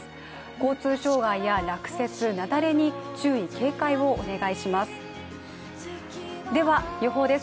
交通障害や落雪、雪崩に注意・警戒をお願いします。